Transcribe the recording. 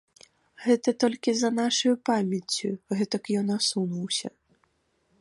Гэта толькі за нашаю памяццю гэтак ён асунуўся.